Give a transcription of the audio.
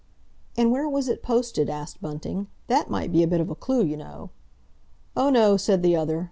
"And where was it posted?" asked Bunting. "That might be a bit of a clue, you know." "Oh, no," said the other.